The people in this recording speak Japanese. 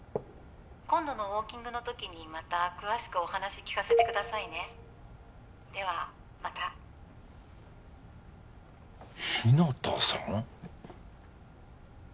今度のウォーキングの時にまた詳しくお話聞かせてくださいねではまた日向さん？